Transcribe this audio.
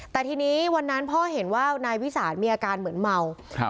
แต่ทีนี้วันนั้นพ่อเห็นว่านายวิสานมีอาการเหมือนเมาครับ